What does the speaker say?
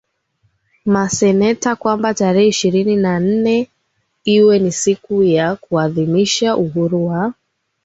maseneta kwamba tarehe ishirini na nne iwe ni siku ya ya kuadhimisha uhuru wa